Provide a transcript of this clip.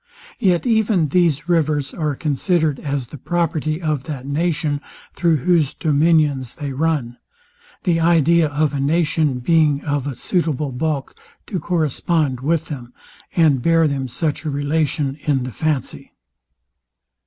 Yet even these rivers are considered as the property of that nation, thro' whose dominions they run; the idea of a nation being of a suitable bulk to correspond with them, and bear them such a relation in the fancy.